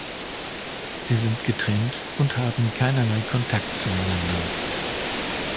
Sie sind getrennt und haben keinerlei Kontakt zueinander.